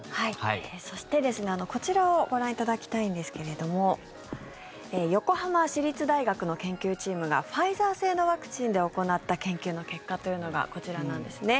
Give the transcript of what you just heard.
そして、こちらをご覧いただきたいんですけれども横浜市立大学の研究チームがファイザー製のワクチンで行った研究の結果というのがこちらなんですね。